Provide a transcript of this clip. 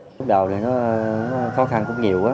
lúc đầu thì nó khó khăn cũng nhiều